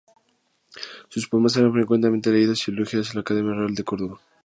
Sus poemas eran frecuentemente leídos y elogiados en la Academia Real de Córdoba.